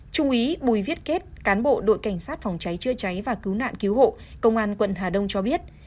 trung úy bùi viết kết cán bộ đội cảnh sát phòng cháy chữa cháy và cứu nạn cứu hộ công an quận hà đông cho biết